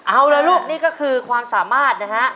เอาละลูกนี่ก็คือความสามารถนะฮะ